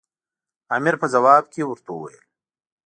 امیر په ځواب کې ورته وویل.